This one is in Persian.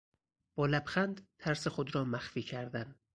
با لبخند ترس خود را مخفی کردن